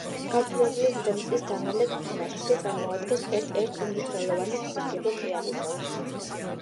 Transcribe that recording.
გავრცელებულია დედამიწის დანალექ ფენაში და წარმოადგენს ერთ-ერთ უმნიშვნელოვანეს სასარგებლო წიაღისეულს.